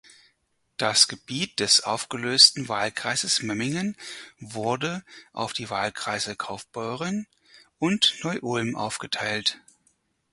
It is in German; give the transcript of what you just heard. Das Gebiet des aufgelösten Wahlkreises Memmingen wurde auf die Wahlkreise Kaufbeuren und Neu-Ulm aufgeteilt.